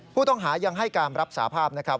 ผู้ต้องหายังให้การรับสาภาพนะครับ